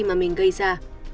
mà mình gây ra